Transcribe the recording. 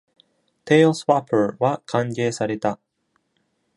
Taleswapper は歓迎された。